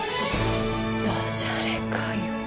ダジャレかよ